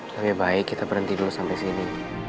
lebih baik kita berhenti dulu sampai sini